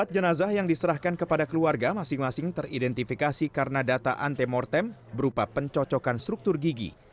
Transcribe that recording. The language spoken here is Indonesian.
empat jenazah yang diserahkan kepada keluarga masing masing teridentifikasi karena data antemortem berupa pencocokan struktur gigi